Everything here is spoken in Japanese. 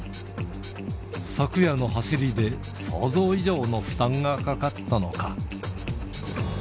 昨夜の走りで、想像以上の負担がかかったのか。